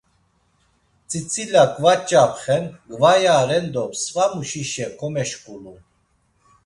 Tzitzila gvaç̌apxen, gvayaren do svamuşişe komeşǩulun.